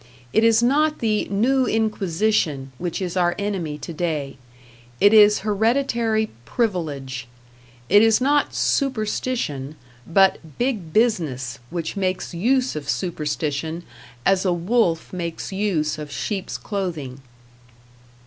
It is not the New Inquisition which is our enemy today; it is hereditary Privilege. It is not Superstition, but Big Business which makes use of Superstition as a wolf makes use of sheep's clothing.